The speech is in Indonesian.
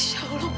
masya allah mama